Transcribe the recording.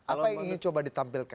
apa yang ingin coba ditampilkan